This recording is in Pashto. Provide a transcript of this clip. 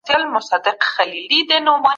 که څوک دا کتاب ولولي نو د کلتور په اړه پوهېږي.